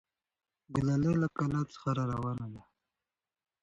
ګلالۍ له کلا څخه راروانه وه.